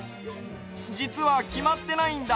じつはきまってないんだ。